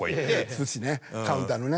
寿司ねカウンターのね。